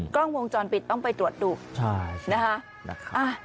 กล้องวงจรปิดต้องไปตรวจดูใช่นะคะ